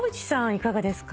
いかがですか？